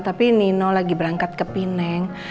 tapi nino lagi berangkat ke pineng